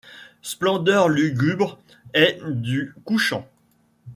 Splendeurs lugubr`es du couchant.